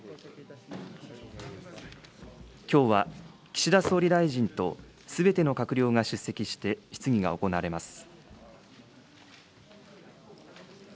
きょうは岸田総理大臣とすべての閣僚が出席して、質疑が行われます。